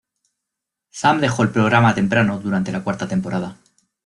Sam dejó el programa temprano durante la cuarta temporada.